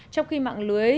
trong khi mạng lưới